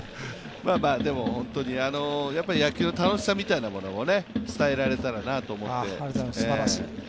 野球の楽しさみたいなものを伝えられたらなと思って。